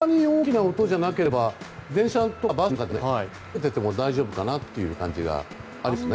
これそんなに大きな音じゃなければ電車とかバスの中でもねつけていても大丈夫かなという感じがありますね。